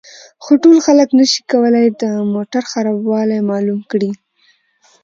خو ټول خلک نشي کولای د موټر خرابوالی معلوم کړي